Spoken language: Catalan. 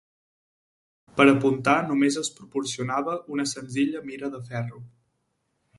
Per apuntar només es proporcionava una senzilla mira de ferro.